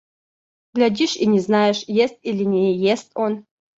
Глядишь и не знаешь: ест или не ест он.